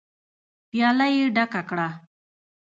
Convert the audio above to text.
پياله يې ډکه کړه.